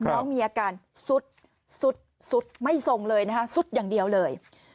น้องมีอาการซุดสุดไม่ทรงเลยนะคะสุดอย่างเดียวเลย